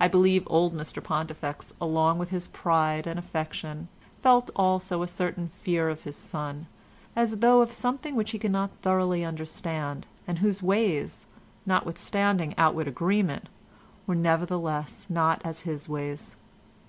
I believe old Mr Pontifex, along with his pride and affection, felt also a certain fear of his son, as though of something which he could not thoroughly understand, and whose ways, notwithstanding outward agreement, were nevertheless not as his ways.